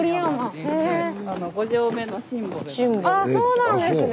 あそうなんですね。